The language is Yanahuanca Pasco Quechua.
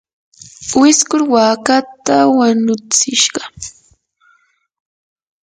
wiskur waakata wanutsishqa.